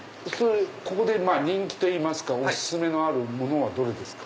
ここで人気といいますかお薦めのものはどれですか？